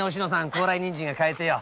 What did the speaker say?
高麗人参が買えて。